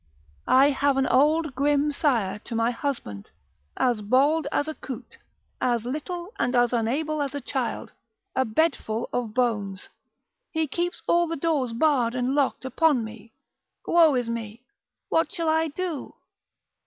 I have an old grim sire to my husband, as bald as a coot, as little and as unable as a child, a bedful of bones, he keeps all the doors barred and locked upon me, woe is me, what shall I do?